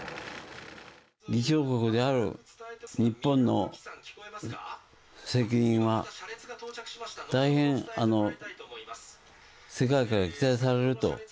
議長国である日本の責任は、大変世界から期待されると。